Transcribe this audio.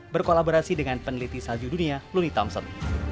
berkolaborasi dengan peneliti salju dunia loli thompson